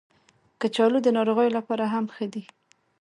کچالو د ناروغانو لپاره هم ښه دي